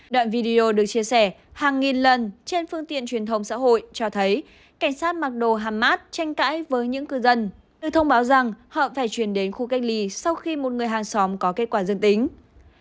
đoạn video được chia sẻ hàng nghìn lần trên phương tiện truyền thông xã hội cho thấy cảnh sát mặc đồ hamas tranh cãi với những cư dân được thông báo rằng họ phải chuyển đến khu cách ly sau khi một người hàng xóm có kết quả dân tính